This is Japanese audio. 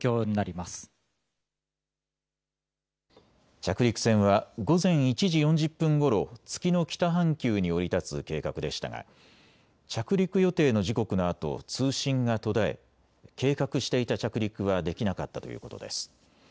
着陸船は午前１時４０分ごろ、月の北半球に降り立つ計画でしたが着陸予定の時刻のあと通信が途絶え、計画していた着陸はできなかったということです。